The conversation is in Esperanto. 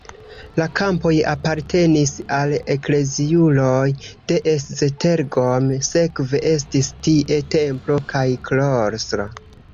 La kampoj apartenis al ekleziuloj de Esztergom, sekve estis tie templo kaj klostro.